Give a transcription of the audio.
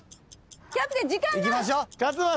キャプテン時間が！